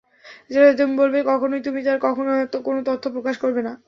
যেটাতে তুমি বলবে, কখনোই তুমি তার কোনো তথ্য প্রকাশ করবে না।